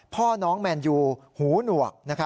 พ่อน้องแมนยูหูหนวก